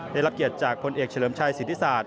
ได้รับเกียรติจากพลเอกเฉลิมชัยสิทธิศาสต